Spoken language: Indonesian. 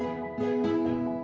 ya kita ke sekolah